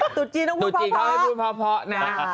ตรวจจีนต้องพูดเพราะ